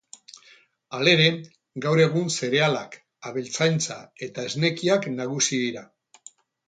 Halere, gaur egun zerealak, abeltzaintza eta esnekiak nagusi dira.